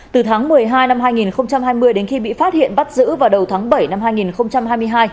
từ tháng một mươi hai năm hai nghìn hai mươi đến khi bị phát hiện bắt giữ vào đầu tháng bảy năm hai nghìn hai mươi hai